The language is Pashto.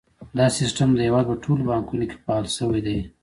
دا سیستم د هیواد په ټولو بانکونو کې فعال شوی دی۔